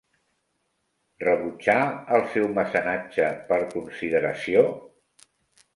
Rebutjar el seu mecenatge per consideració?